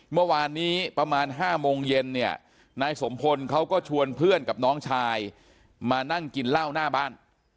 เมื่อวานนี้ประมาณ๕โมงเย็นเนี่ยนายสมพลเขาก็ชวนเพื่อนกับน้องชายมานั่งกินเหล้าหน้าบ้าน